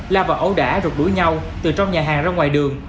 la vào ấu đã rụt đuổi nhau từ trong nhà hàng ra ngoài đường